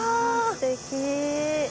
すてき。